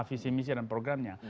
visi misi dan programnya